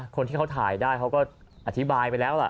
คนที่เขาถ่ายได้เขาก็อธิบายไปแล้วล่ะ